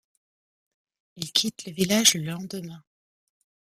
Il quitte le village le lendemain.